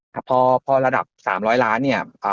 ครับครับพอพอระดับสามร้อยล้านเนี่ยอ่า